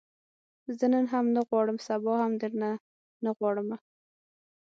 زه نن هم نه غواړم، سبا هم درنه نه غواړمه